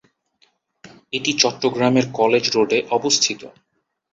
এটি চট্টগ্রামের "কলেজ রোডে" অবস্থিত।